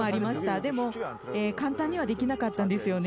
でも、簡単にはできなかったんですよね。